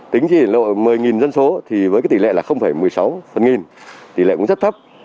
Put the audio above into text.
tính chỉ lộ một mươi dân số với tỷ lệ một mươi sáu phần nghìn tỷ lệ cũng rất thấp